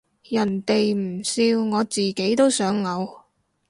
人哋唔笑我自己都想嘔